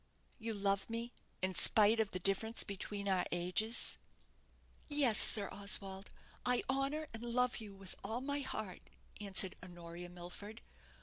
"You love me in spite of the difference between our ages?" "Yes, Sir Oswald, I honour and love you with all my heart," answered Honoria Milford.